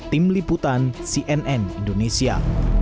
tim liputan cnn indonesia